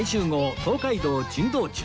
東海道珍道中